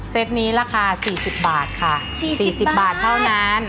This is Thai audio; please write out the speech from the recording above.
ตนี้ราคา๔๐บาทค่ะ๔๐บาทเท่านั้น